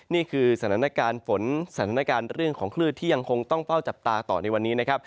นี่คือสถานการณ์ฝนสถานการณ์เรื่องของคลื่นที่ยังคงต้องเฝ้าจับตาต่อในวันนี้นะครับ